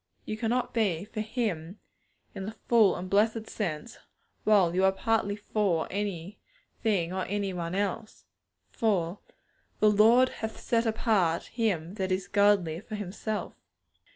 You cannot be 'for Him,' in the full and blessed sense, while you are partly 'for' anything or any one else. For 'the Lord hath set apart him that is godly for Himself.'